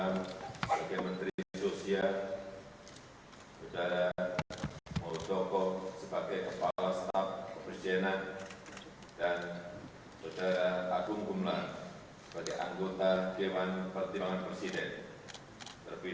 lalu kebangsaan indonesia baik